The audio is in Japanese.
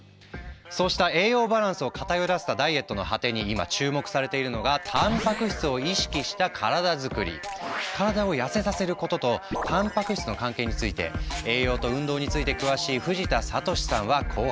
そうした栄養バランスを偏らせたダイエットの果てに今注目されているのが体を痩せさせることとたんぱく質の関係について栄養と運動について詳しい藤田聡さんはこう話す。